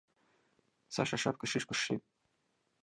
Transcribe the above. Саша шапкой шишку сшиб.